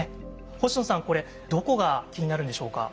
星野さんこれどこが気になるんでしょうか？